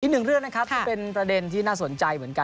อีกหนึ่งเรื่องนะครับก็เป็นประเด็นที่น่าสนใจเหมือนกัน